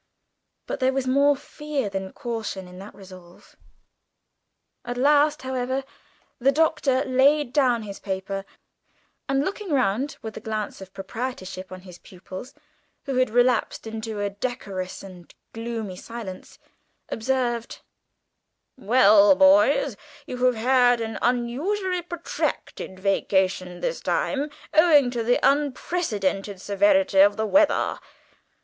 But there was more fear than caution in the resolve. At last, however, the Doctor laid down his paper, and, looking round with the glance of proprietorship on his pupils, who had relapsed into a decorous and gloomy silence, observed: "Well, boys, you have had an unusually protracted vacation this time owing to the unprecedented severity of the weather.